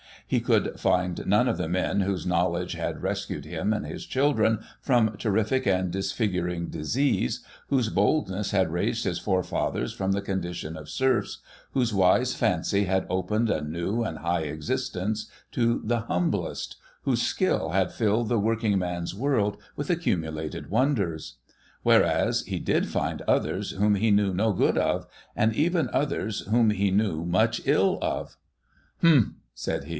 He could find none of the men whose knowledge had rescued him and his children from terrific and disfiguring disease, whose boldness had raised his forefathers from the condition of serfs, whose wise fancy had opened a new and high existence to the humblest, whose skill had filled the working man's world with accumulated wonders. ^Vhereas, he did find others whom he knew no good of, and even others whom he knew much ill of. ' Humph !' said he.